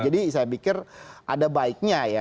jadi saya pikir ada baiknya ya